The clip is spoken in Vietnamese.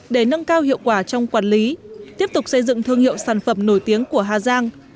để nâng cao hiệu quả trong quản lý tiếp tục xây dựng thương hiệu sản phẩm nổi tiếng của hà giang